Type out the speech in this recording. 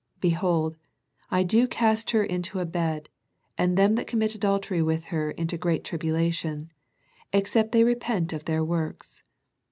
Behold, I do cast her into a bed, and them that commit adultery with her into great tribulation, except they repent of her works.